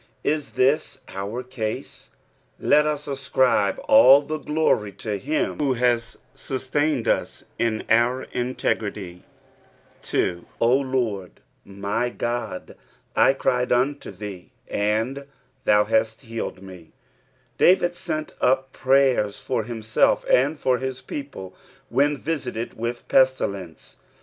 la this our case? let us ascribe all the glory to him who has sustained us in our integrity. 2. " 0 Lord my God, tcrUdvnia thte, and thov halt htaled ma." David sent up prayers for himself and for his people when visited with the pestilence.